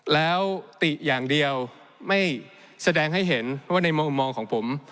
แล้วติอย่างเดียวไม่แสดงให้เห็นว่าในมุมมองของผม